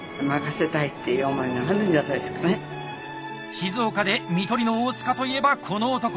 静岡で「看取りの大塚」といえばこの男！